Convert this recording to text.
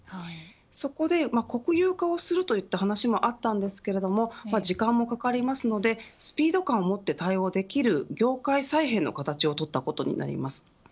そこで国有化をするといった話もあったんですけれども時間もかかりますのでスピード感を持って対応できる業界再編の形をとったことになります。